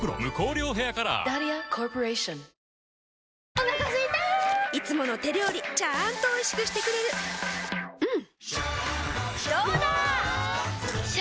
お腹すいたいつもの手料理ちゃんとおいしくしてくれるジューうんどうだわ！